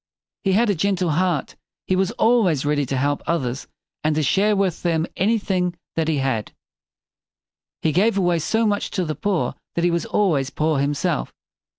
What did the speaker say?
He had a gentle heart. He was always ready to help others and to share with them anything that he had. He gave away so much to the poor that he was always poor himself.